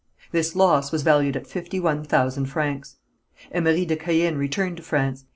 This loss was valued at fifty one thousand francs. Emery de Caën returned to France.